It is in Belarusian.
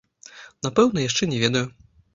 Напэўна яшчэ не ведаю.